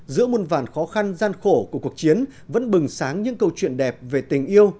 giữa muôn vàn khó khăn gian khổ của cuộc chiến vẫn bừng sáng những câu chuyện đẹp về tình yêu